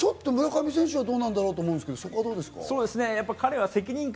村上選手はどうなんだろうと思うんですがどうですか？